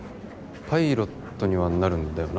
パイロットにはなるんだよな？